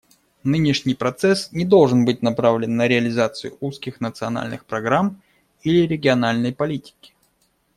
Нынешний процесс не должен быть направлен на реализацию узких национальных программ или региональной политики.